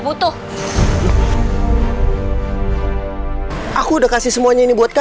di rumah aku balikin mas baju baju yang kamu kasihkan